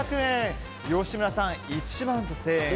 吉村さん、１万１０００円。